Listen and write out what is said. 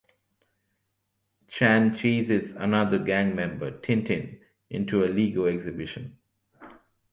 Chan chases another gang member, Tin Tin, into a Lego exhibition.